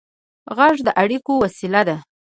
غږ د اړیکې وسیله ده.